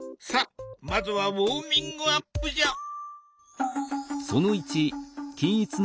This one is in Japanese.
さあまずはウォーミングアップじゃ！